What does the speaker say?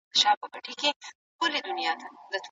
نمبر په یو سپین کاغذ باندې ولیکه.